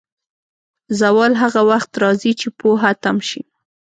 زوال هغه وخت راځي، چې پوهه تم شي.